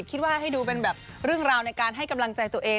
ชี่ว่าให้ดูเป็นเรื่องราวหน้าการให้กำลังใจตัวเอง